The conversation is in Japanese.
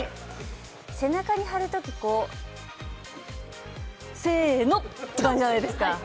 背中に貼るときせーのって感じじゃないですか。